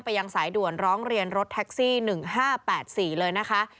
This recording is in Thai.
ยังสายด่วนร้องเรียนรถแท็กซี่๑๕๘๔เลยนะคะ